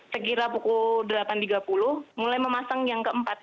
sekira pukul delapan tiga puluh mulai memasang yang keempat